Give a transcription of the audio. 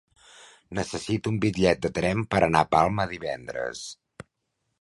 Necessito un bitllet de tren per anar a Palma divendres.